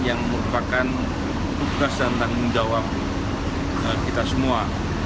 yang merupakan tugas dan tanggung jawab kita semua